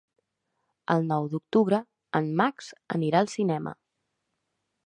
El nou d'octubre en Max anirà al cinema.